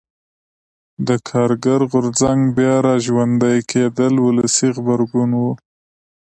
د کارګر غورځنګ بیا را ژوندي کېدل ولسي غبرګون و.